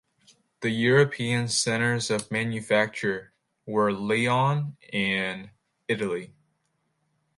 The European centres of manufacture were Lyon and Italy.